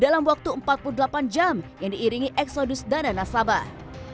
dalam waktu empat puluh delapan jam yang diiringi eksodus dana nasabah